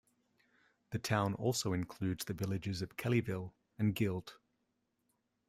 The town also includes the villages of Kelleyville and Guild.